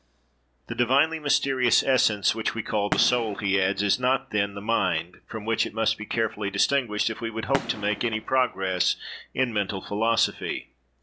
"The divinely mysterious essence, which we call the soul," he adds, "is not, then, the mind, from which it must be carefully distinguished, if we would hope to make any progress in mental philosophy.